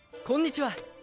こんにちは。